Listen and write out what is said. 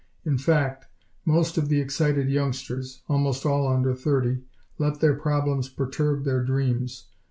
In fact, most of the excited youngsters almost all under thirty let their problems perturb their dreams.